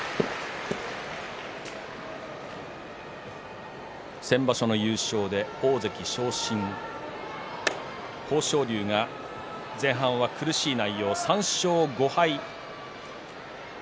拍手先場所の優勝で大関昇進、豊昇龍が前半は苦しい内容３勝５敗。